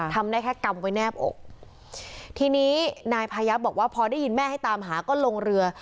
ทำได้แค่กำไว้แนบอกทีนี้นายพายับบอกว่าพอได้ยินแม่ให้ตามหาก็ลงเรือ